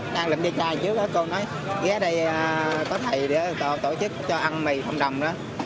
đang lượm vé chai trước đó cô nói ghé đây có thầy để tổ chức cho ăn mì không đồng đó